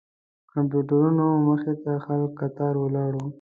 د کمپیوټرونو مخې ته خلک کتار ولاړ وو.